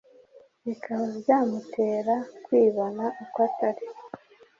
bikaba byamutera kwibona uko Atari